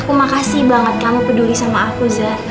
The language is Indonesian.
aku makasih banget kamu peduli sama aku zah